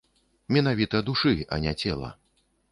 Менавіта душы, а не цела.